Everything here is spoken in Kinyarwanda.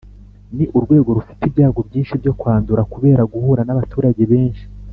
ni urwego rufite ibyago byinshi byo kwandura kubera guhura n’abaturage benshi